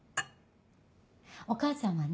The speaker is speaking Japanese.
お母さんはね